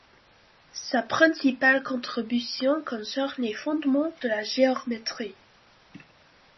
Sa principale contribution concerne les fondements de la géométrie.